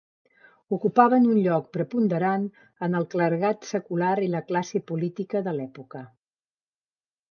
Ocupaven un lloc preponderant en el clergat secular i la classe política de l'època.